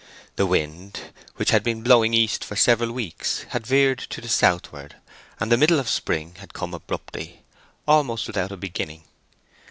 The wind, which had been blowing east for several weeks, had veered to the southward, and the middle of spring had come abruptly—almost without a beginning.